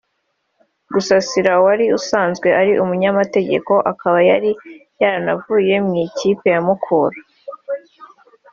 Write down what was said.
Gasasira wari usanzwe ari umunyamategeko akaba yari yaranavuye mu ikipe ya Mukura